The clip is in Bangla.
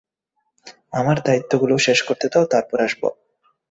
আমার দায়িত্বগুলো শেষ করতে দাও, তারপর আসবো।